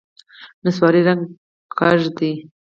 نسواري رنګ کږ دی.